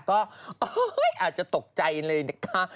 ก็อ่ะเฮ้ยอาจจะตกใจเลยนะคะ